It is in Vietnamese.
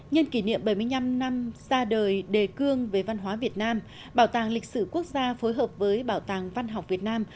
nhân kỷ niệm bảy mươi năm năm ra đời đề cương về văn hóa việt nam bảo tàng lịch sử quốc gia phối hợp với bảo tàng văn học việt nam